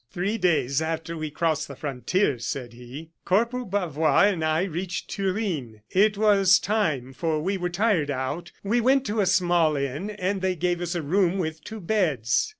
"Three days after we crossed the frontier," said he, "Corporal Bavois and I reached Turin. It was time, for we were tired out. We went to a small inn, and they gave us a room with two beds.